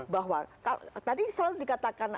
bahwa tadi selalu dikatakan